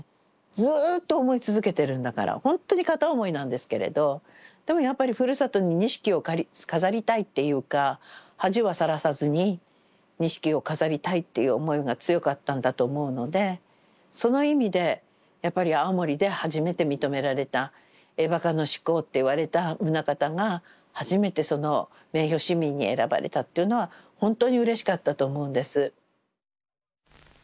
ずっと思い続けてるんだからほんとに片思いなんですけれどでもやっぱりふるさとに錦を飾りたいっていうか恥はさらさずに錦を飾りたいっていう思いが強かったんだと思うのでその意味でやっぱり青森で初めて認められた絵ばかの志功って言われた棟方が初めてその名誉市民に選ばれたっていうのはほんとにうれしかったと思うんです。